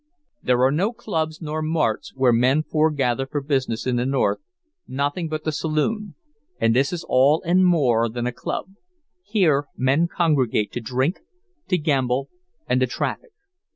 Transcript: There are no clubs nor marts where men foregather for business in the North nothing but the saloon, and this is all and more than a club. Here men congregate to drink, to gamble, and to traffic.